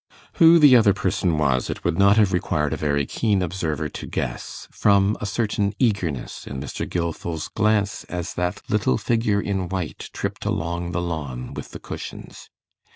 Who the other person was it would not have required a very keen observer to guess, from a certain eagerness in Mr. Gilfil's glance as that little figure in white tripped along the lawn with the cushions.